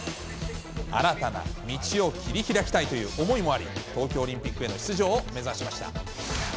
新たな道を切り開きたいという思いもあり、東京オリンピックへの出場を目指しました。